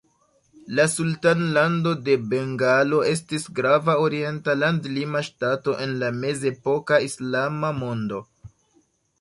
La Sultanlando de Bengalo estis grava orienta landlima ŝtato en la mezepoka Islama mondo.